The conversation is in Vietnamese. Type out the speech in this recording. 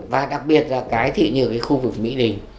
và đặc biệt là cái thì như khu vực mỹ đình